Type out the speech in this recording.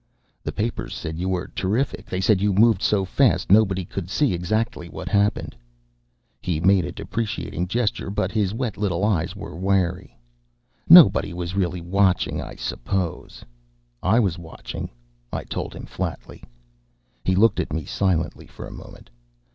"The papers said you were terrific. They said you moved so fast, nobody could see exactly what happened." He made a deprecating gesture, but his wet little eyes were wary. "Nobody was really watching, I suppose." "I was watching," I told him flatly. He looked at me silently for a moment.